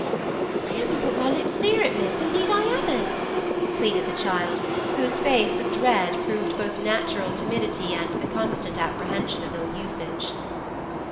'I haven't put my lips near it, miss; indeed I haven't,' pleaded the child, whose face of dread proved both natural timidity and the constant apprehension of ill usage.